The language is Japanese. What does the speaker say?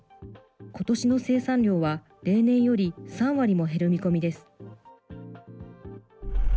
ことしの生産量は例年より３割も減る見込みです。